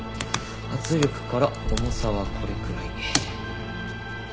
圧力から重さはこれくらい。